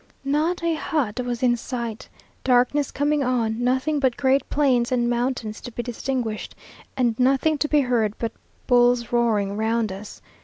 Not a hut was in sight darkness coming on nothing but great plains and mountains to be distinguished, and nothing to be heard but bulls roaring round us.